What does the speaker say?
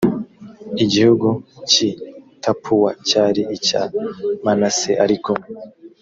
igihugu cy i tapuwa cyari icya manase ariko